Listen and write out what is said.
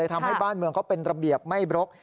ทำให้บ้านเมืองเขาเป็นระเบียบไม่บรก